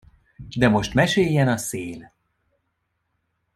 De most meséljen a szél!